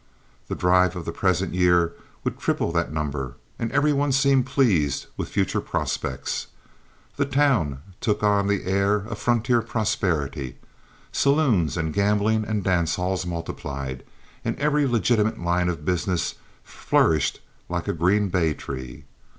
The drive of the present year would triple that number, and every one seemed pleased with future prospects. The town took on an air of frontier prosperity; saloons and gambling and dance halls multiplied, and every legitimate line of business flourished like a green bay tree.